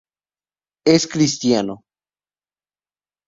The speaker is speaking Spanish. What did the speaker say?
Es cristiano.